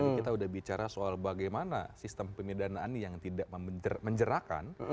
tadi kita sudah bicara soal bagaimana sistem pemidanaan yang tidak menjerakan